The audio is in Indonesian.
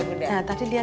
dulu lihatnya gimana